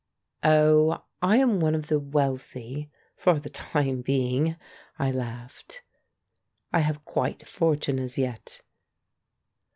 ''' "Oh, I am one of the wealthy — for the time being," I laughed. "I have quite a fortune as yet."